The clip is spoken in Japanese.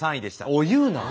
おい言うな。